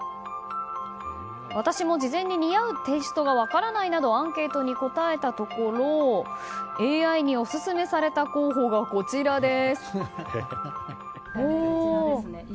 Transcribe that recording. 私も事前に似合うテイストが分からないなどアンケートに答えたところＡＩにオススメされた候補がこちらです。